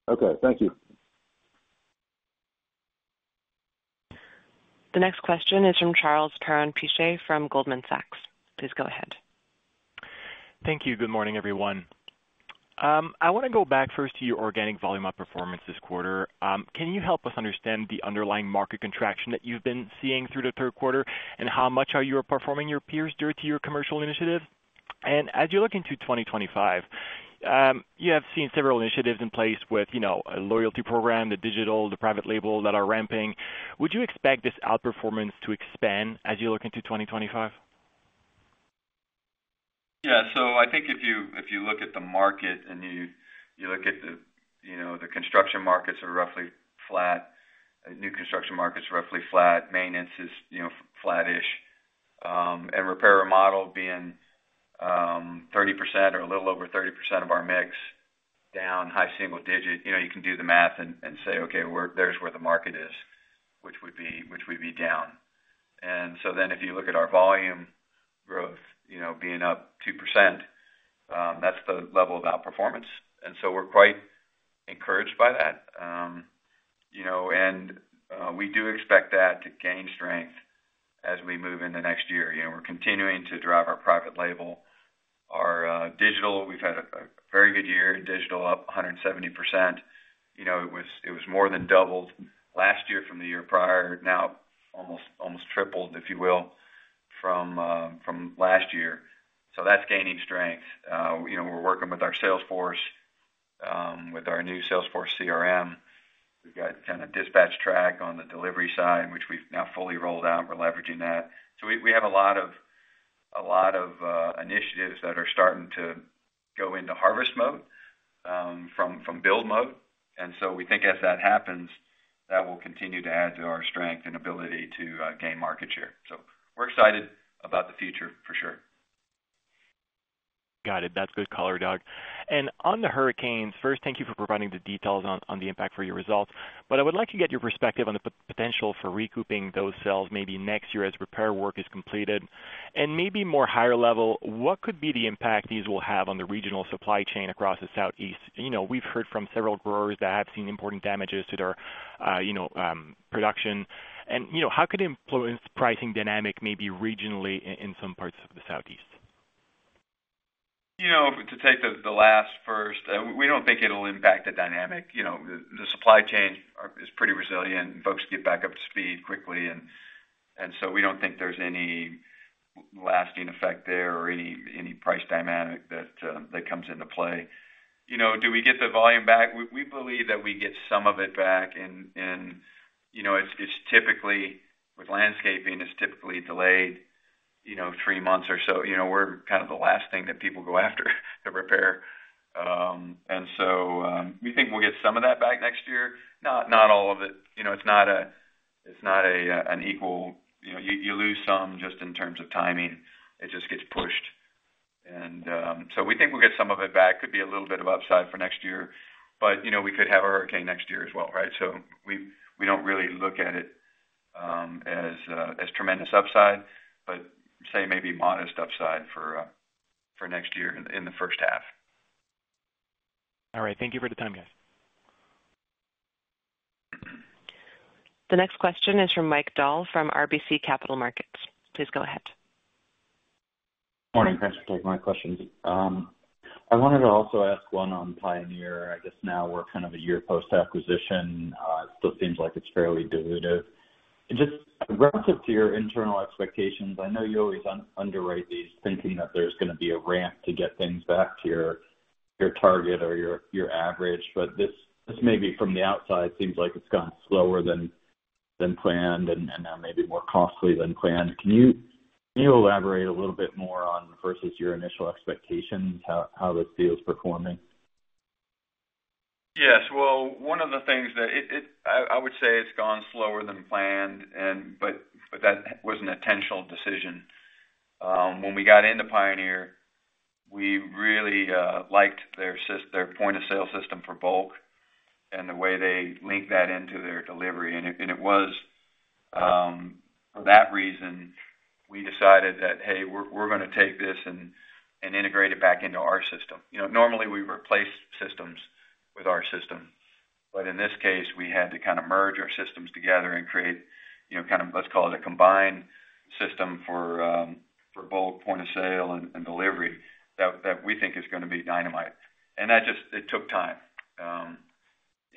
Okay. Thank you. The next question is from Charles Perron-Piche from Goldman Sachs. Please go ahead. Thank you. Good morning, everyone. I want to go back first to your organic volume of performance this quarter. Can you help us understand the underlying market contraction that you've been seeing through the third quarter and how much are you outperforming your peers due to your commercial initiative? And as you look into 2025, you have several initiatives in place with a loyalty program, the digital, the private label that are ramping. Would you expect this outperformance to expand as you look into 2025? Yeah. So I think if you look at the market and you look at the construction markets are roughly flat, new construction markets roughly flat, maintenance is flattish, and repair remodel being 30% or a little over 30% of our mix, down high single digit. You can do the math and say, "Okay, there's where the market is," which would be down. And so then if you look at our volume growth being up 2%, that's the level of outperformance. And so we're quite encouraged by that. And we do expect that to gain strength as we move into next year. We're continuing to drive our private label. Our digital, we've had a very good year. Digital up 170%. It was more than doubled last year from the year prior, now almost tripled, if you will, from last year. So that's gaining strength. We're working with our Salesforce, with our new Salesforce CRM. We've got kind of DispatchTrack on the delivery side, which we've now fully rolled out. We're leveraging that. So we have a lot of initiatives that are starting to go into harvest mode from build mode. And so we think as that happens, that will continue to add to our strength and ability to gain market share. So we're excited about the future for sure. Got it. That's good color, Doug. And on the hurricanes, first, thank you for providing the details on the impact for your results. But I would like to get your perspective on the potential for recouping those sales maybe next year as repair work is completed. And maybe more higher level, what could be the impact these will have on the regional supply chain across the Southeast? We've heard from several growers that have seen important damages to their production. How could it influence pricing dynamic maybe regionally in some parts of the Southeast? To take the last first, we don't think it'll impact the dynamic. The supply chain is pretty resilient. Folks get back up to speed quickly, and so we don't think there's any lasting effect there or any price dynamic that comes into play. Do we get the volume back? We believe that we get some of it back. It's typically with landscaping. It's typically delayed three months or so. We're kind of the last thing that people go after to repair, and so we think we'll get some of that back next year. Not all of it. It's not an equal. You lose some just in terms of timing. It just gets pushed. And so we think we'll get some of it back. Could be a little bit of upside for next year. But we could have a hurricane next year as well, right? So we don't really look at it as tremendous upside, but say maybe modest upside for next year in the first half. All right. Thank you for the time, guys. The next question is from Mike Dahl from RBC Capital Markets. Please go ahead. Morning. Thanks for taking my questions. I wanted to also ask one on Pioneer. I guess now we're kind of a year post-acquisition. It still seems like it's fairly diluted. Just relative to your internal expectations, I know you always underwrite these thinking that there's going to be a ramp to get things back to your target or your average. But this, maybe from the outside, seems like it's gone slower than planned and now maybe more costly than planned. Can you elaborate a little bit more on, versus your initial expectations, how this deal is performing? Yes. Well, one of the things that I would say, it's gone slower than planned, but that was an intentional decision. When we got into Pioneer, we really liked their point of sale system for bulk and the way they link that into their delivery. And it was for that reason we decided that, "Hey, we're going to take this and integrate it back into our system." Normally, we replace systems with our system. But in this case, we had to kind of merge our systems together and create kind of, let's call it a combined system for bulk point of sale and delivery that we think is going to be dynamite. It took time.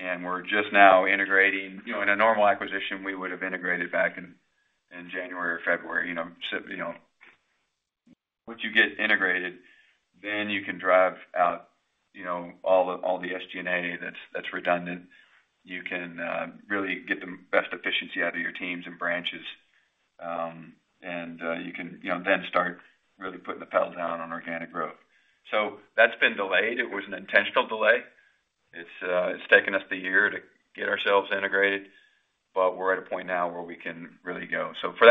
We're just now integrating. In a normal acquisition, we would have integrated back in January or February. Once you get integrated, then you can drive out all the SG&A that's redundant. You can really get the best efficiency out of your teams and branches. You can then start really putting the pedal down on organic growth. That's been delayed. It was an intentional delay. It's taken us the year to get ourselves integrated, but we're at a point now where we can really go. For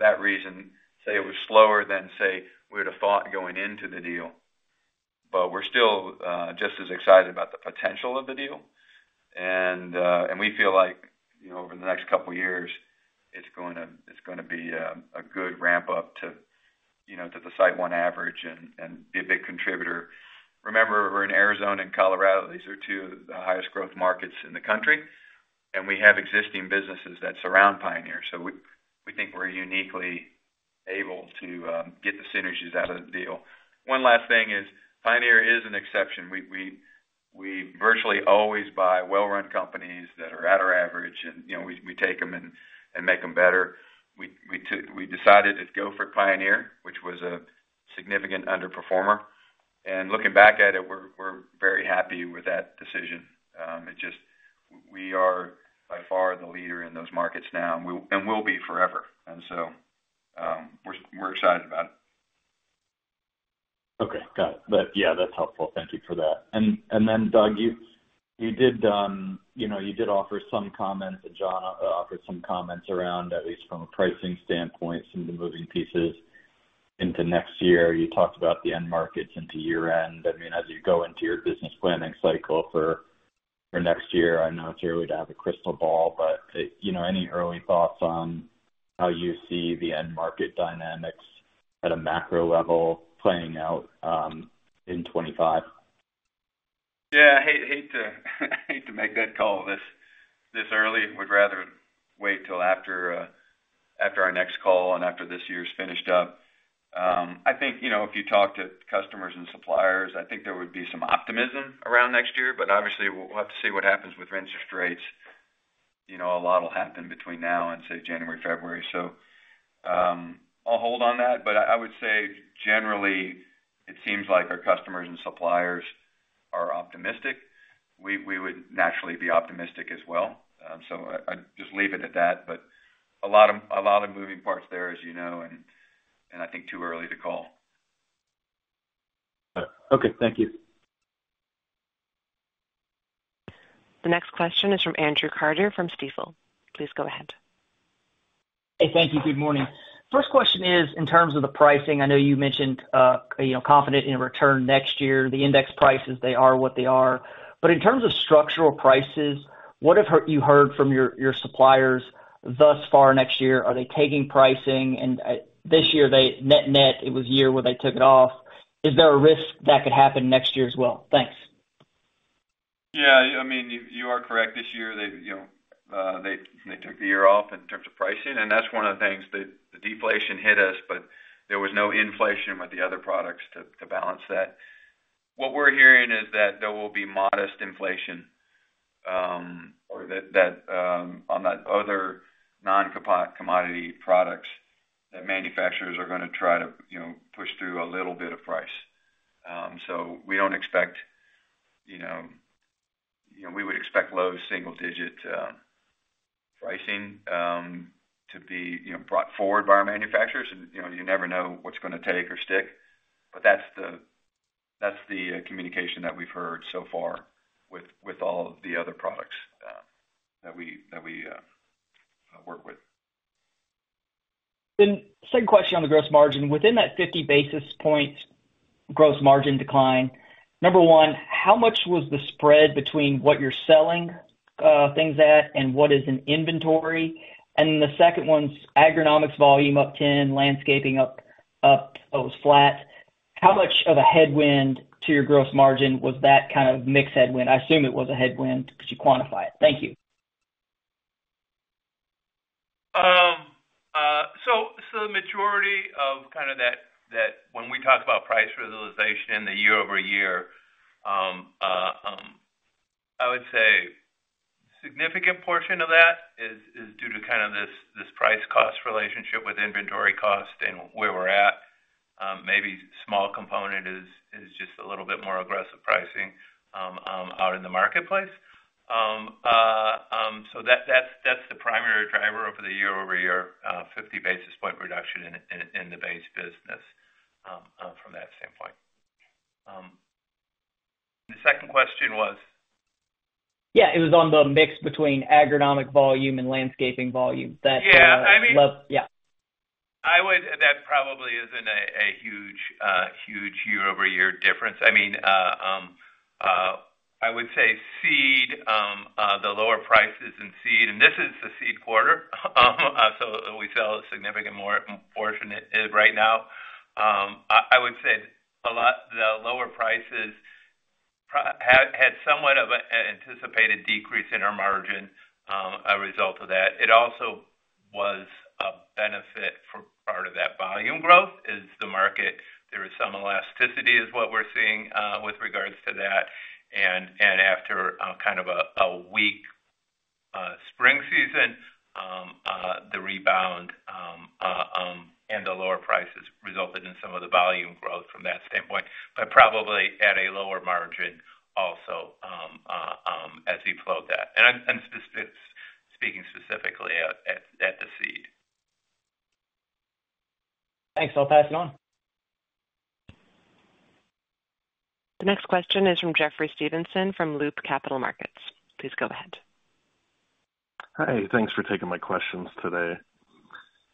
that reason, say it was slower than, say, we would have thought going into the deal, but we're still just as excited about the potential of the deal. We feel like over the next couple of years, it's going to be a good ramp up to the SiteOne average and be a big contributor. Remember, we're in Arizona and Colorado. These are two of the highest growth markets in the country. And we have existing businesses that surround Pioneer. So we think we're uniquely able to get the synergies out of the deal. One last thing is Pioneer is an exception. We virtually always buy well-run companies that are at our average, and we take them and make them better. We decided to go for Pioneer, which was a significant underperformer. And looking back at it, we're very happy with that decision. We are by far the leader in those markets now and will be forever. And so we're excited about it. Okay. Got it. Yeah, that's helpful. Thank you for that. And then, Doug, you did offer some comments and John offered some comments around, at least from a pricing standpoint, some of the moving pieces into next year. You talked about the end markets into year-end. I mean, as you go into your business planning cycle for next year, I know it's early to have a crystal ball, but any early thoughts on how you see the end market dynamics at a macro level playing out in 2025? Yeah. I hate to make that call this early. Would rather wait until after our next call and after this year's finished up. I think if you talk to customers and suppliers, I think there would be some optimism around next year. But obviously, we'll have to see what happens with interest rates. A lot will happen between now and say January, February. So I'll hold on that. But I would say generally, it seems like our customers and suppliers are optimistic. We would naturally be optimistic as well. So I'd just leave it at that. But a lot of moving parts there, as you know, and I think too early to call. Okay. Thank you. The next question is from Andrew Carter from Stifel. Please go ahead. Hey, thank you. Good morning. First question is in terms of the pricing. I know you mentioned confident in return next year. The index prices, they are what they are. But in terms of structural prices, what have you heard from your suppliers thus far next year? Are they taking pricing? And this year, net net, it was year where they took it off. Is there a risk that could happen next year as well? Thanks. Yeah. I mean, you are correct. This year, they took the year off in terms of pricing. And that's one of the things. The deflation hit us, but there was no inflation with the other products to balance that. What we're hearing is that there will be modest inflation on those other non-commodity products that manufacturers are going to try to push through a little bit of price. So we would expect low single-digit pricing to be brought forward by our manufacturers. And you never know what's going to take or stick. But that's the communication that we've heard so far with all of the other products that we work with. And same question on the gross margin. Within that 50 basis points gross margin decline, number one, how much was the spread between what you're selling things at and what is in inventory? And then the second one's agronomics volume up 10, landscaping up, those flat. How much of a headwind to your gross margin was that kind of mixed headwind? I assume it was a headwind because you quantify it. Thank you. So the majority of that, when we talk about price realization year over year, I would say a significant portion of that is due to this price-cost relationship with inventory cost and where we're at. Maybe a small component is just a little bit more aggressive pricing out in the marketplace. So that's the primary driver over year over year, 50 basis points reduction in the base business from that standpoint. The second question was? Yeah. It was on the mix between agronomic volume and landscaping volume. Yeah. I mean, that probably isn't a huge year-over-year difference. I mean, I would say seed, the lower prices in seed, and this is the seed quarter. So we sell a significant portion right now. I would say the lower prices had somewhat of an anticipated decrease in our margin as a result of that. It also was a benefit for part of that volume growth is the market. There is some elasticity is what we're seeing with regards to that. And after kind of a weak spring season, the rebound and the lower prices resulted in some of the volume growth from that standpoint, but probably at a lower margin also as we float that. And I'm speaking specifically at the seed. Thanks. I'll pass it on. The next question is from Jeffrey Stevenson from Loop Capital Markets. Please go ahead. Hi. Thanks for taking my questions today.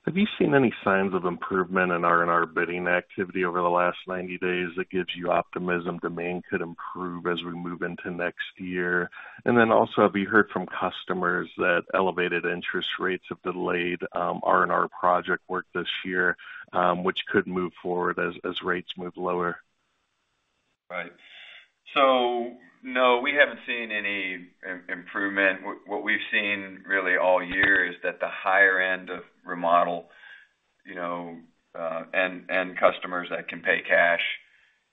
Have you seen any signs of improvement in R&R bidding activity over the last 90 days that gives you optimism demand could improve as we move into next year? And then also, have you heard from customers that elevated interest rates have delayed R&R project work this year, which could move forward as rates move lower? Right. So no, we haven't seen any improvement. What we've seen really all year is that the higher end of remodel and customers that can pay cash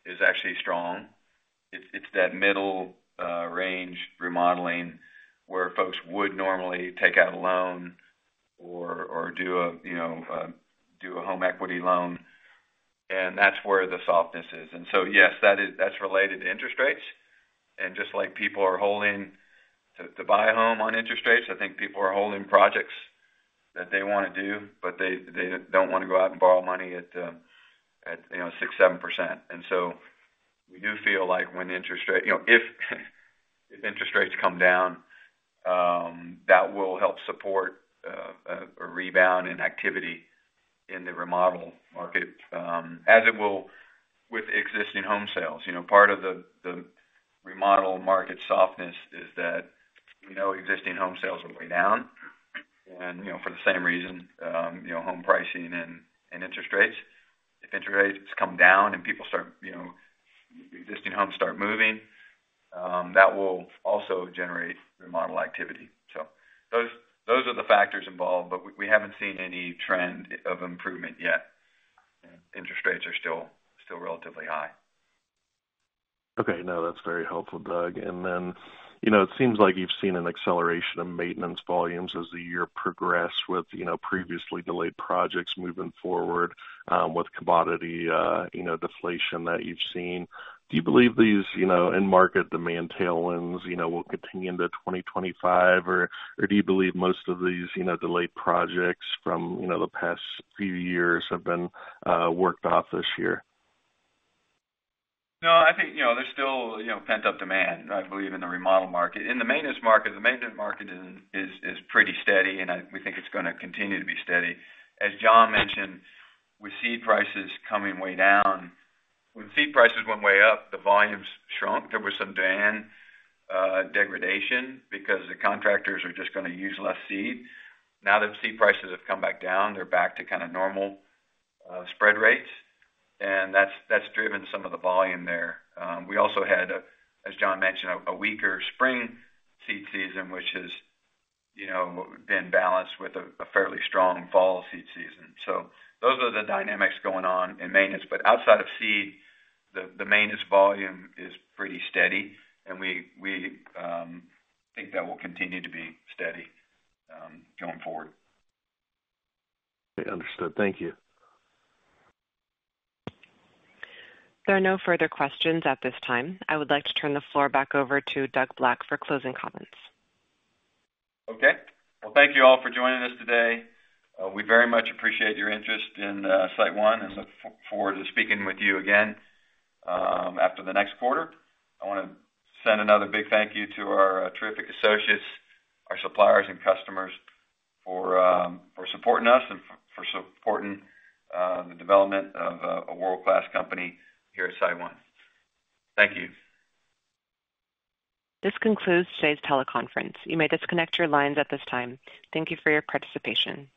is actually strong. It's that middle range remodeling where folks would normally take out a loan or do a home equity loan. And that's where the softness is. And so yes, that's related to interest rates. And just like people are holding to buy a home on interest rates, I think people are holding projects that they want to do, but they don't want to go out and borrow money at 6%-7%. And so we do feel like when interest rates come down, that will help support a rebound in activity in the remodel market as it will with existing home sales. Part of the remodel market softness is that existing home sales are way down. And for the same reason, home pricing and interest rates, if interest rates come down and people start, existing homes start moving, that will also generate remodel activity. So those are the factors involved, but we haven't seen any trend of improvement yet. Interest rates are still relatively high. Okay. No, that's very helpful, Doug. And then it seems like you've seen an acceleration of maintenance volumes as the year progressed with previously delayed projects moving forward with commodity deflation that you've seen. Do you believe these end market demand tailwinds will continue into 2025? Or do you believe most of these delayed projects from the past few years have been worked off this year? No, I think there's still pent-up demand, I believe, in the remodel market. In the maintenance market, the maintenance market is pretty steady, and we think it's going to continue to be steady. As John mentioned, with seed prices coming way down, when seed prices went way up, the volumes shrunk. There was some demand degradation because the contractors are just going to use less seed. Now that seed prices have come back down, they're back to kind of normal spread rates. And that's driven some of the volume there. We also had, as John mentioned, a weaker spring seed season, which has been balanced with a fairly strong fall seed season. So those are the dynamics going on in maintenance. But outside of seed, the maintenance volume is pretty steady, and we think that will continue to be steady going forward. Understood. Thank you. There are no further questions at this time. I would like to turn the floor back over to Doug Black for closing comments. Okay. Well, thank you all for joining us today. We very much appreciate your interest in SiteOne and look forward to speaking with you again after the next quarter. I want to send another big thank you to our terrific associates, our suppliers, and customers for supporting us and for supporting the development of a world-class company here at SiteOne. Thank you. This concludes today's teleconference. You may disconnect your lines at this time. Thank you for your participation.